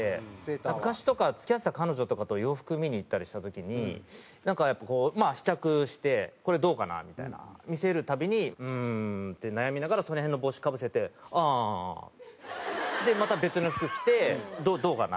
昔とか付き合ってた彼女とかと洋服見に行ったりした時になんかやっぱこうまあ試着して「これどうかな？」みたいな見せるたびに「うーん」って悩みながらその辺の帽子かぶせて「ああああああ」。でまた別の服着て「どうかな？」